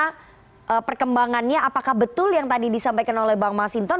nah perkembangannya apakah betul yang tadi disampaikan oleh bang masinton